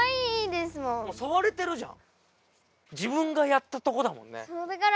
さわれてるじゃん！